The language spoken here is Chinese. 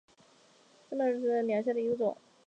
深山毛茛为毛茛科毛茛属下的一个种。